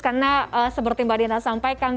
karena seperti mbak dina sampaikan